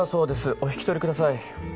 お引き取りください。